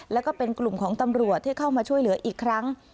แล้วก็เป็นกลุ่มของตำรวจที่เข้ามาช่วยเหลืออีกครั้ง